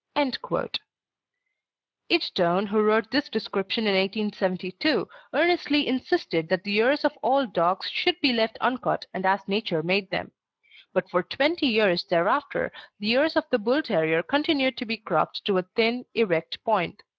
Idstone, who wrote this description in 1872, earnestly insisted that the ears of all dogs should be left uncut and as Nature made them; but for twenty years thereafter the ears of the Bull terrier continued to be cropped to a thin, erect point.